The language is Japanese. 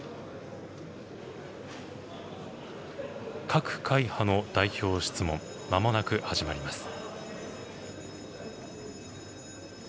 各会派の代表質問、まもなく始まります。